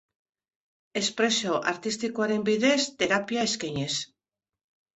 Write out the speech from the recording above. Espresio artistikoaren bidez terapia eskainiz.